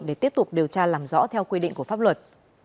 để tiếp tục điều tra làm rõ theo quy định của pháp luật